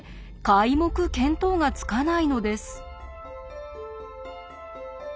皆目見当がつかないのです。